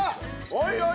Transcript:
おいおい